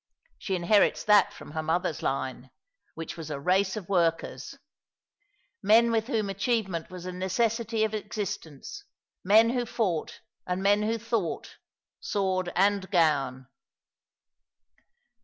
She inherits that from her mother's line, which was a race of workers, men with whom achievement was a necessity of existence— men who fought, and men who thought — sword and gown."